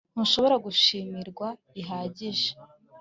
ntushobora gushimirwa bihagije